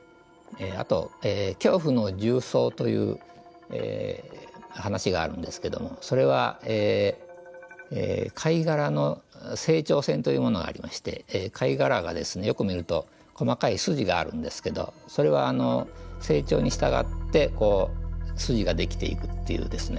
あと「恐怖の重層」という話があるんですけどもそれは貝殻の成長線というものがありまして貝殻がですねよく見ると細かい筋があるんですけどそれは成長に従ってこう筋ができていくっていうですね